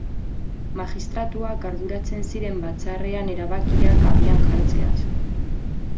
Magistratuak arduratzen ziren Batzarrean erabakiak abian jartzeaz.